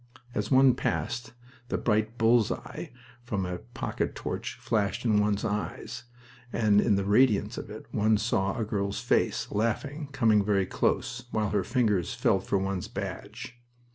As one passed, the bright bull's eye from a pocket torch flashed in one's eyes, and in the radiance of it one saw a girl's face, laughing, coming very close, while her fingers felt for one's badge.